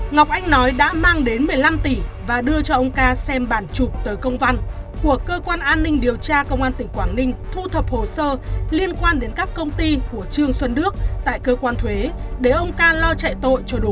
ngọc anh nói đã mang đến một mươi năm tỷ và đưa cho ông ca xem bản chụp tới công văn của cơ quan an ninh điều tra công an tỉnh quảng ninh thu thập hồ sơ liên quan đến các công ty của trương xuân đức tại cơ quan thuế để ông ca lo chạy tội cho đúng